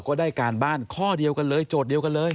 ก็ได้การบ้านข้อเดียวกันเลยโจทย์เดียวกันเลย